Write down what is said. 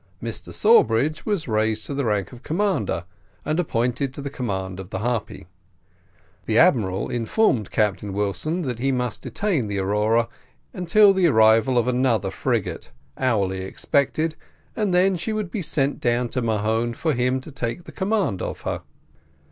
Mr Sawbridge was raised to the rank of commander, and appointed to the command of the Harpy. The admiral informed Captain Wilson that he must detain the Aurora until the arrival of another frigate, hourly expected, and then she would be sent down to Mahon for him to take the command of her.